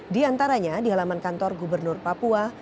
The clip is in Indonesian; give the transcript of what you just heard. di antaranya di halaman kantor gubernur papua